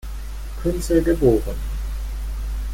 Künzel geboren.